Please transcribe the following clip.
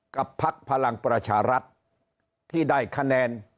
พักพลังประชารัฐที่ได้คะแนน